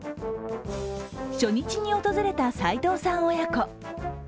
初日に訪れた齋藤さん親子。